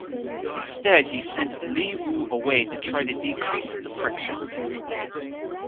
Instead, he sent Li Wu away to try to decrease the friction.